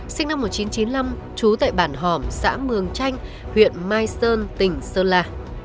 sinh năm một nghìn chín trăm chín mươi năm trú tại bản hòm xã mường chanh huyện mai sơn tỉnh sơn la